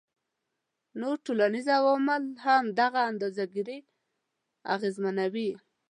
نور ټولنیز عوامل هم دغه اندازه ګيرۍ اغیزمنوي